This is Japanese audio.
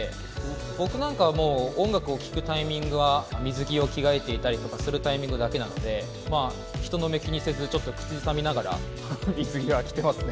僕なんかはもう、音楽を聴くタイミングは、水着を着替えていたりとかするタイミングなので、まあ、人の目気にせず、ちょっと口ずさみながら水着を着てますね。